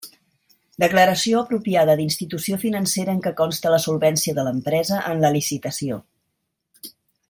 Declaració apropiada d'institució financera en què conste la solvència de l'empresa en la licitació.